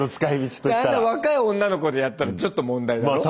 あんなん若い女の子でやったらちょっと問題だろ？